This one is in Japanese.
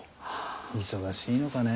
忙しいのかね。